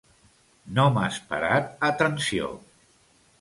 No m'has parat atenció.